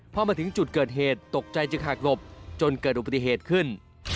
พอมาถึงจุดเกิดเหตุตกใจจึงหากหลบจนเกิดอุบัติเหตุขึ้น